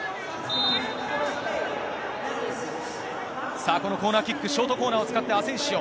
さあ、このコーナーキック、ショートコーナーをつかって、アセンシオ。